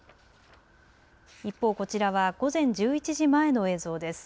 一方、こちらは午前１１時前の映像です。